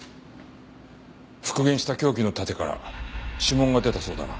復元した凶器の盾から指紋が出たそうだな？